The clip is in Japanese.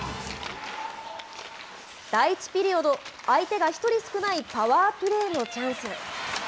第１ピリオド、相手が１人少ないパワープレーのチャンス。